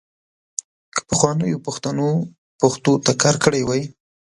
که پخوانیو پښتنو پښتو ته کار کړی وای .